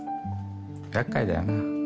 厄介だよな。